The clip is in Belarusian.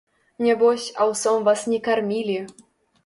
Нябось, аўсом вас не кармілі!